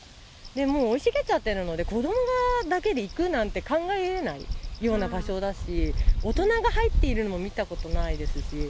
もう生い茂っちゃってるので、子どもだけで行くなんて考えられないような場所だし、大人が入っているのも見たことないですし。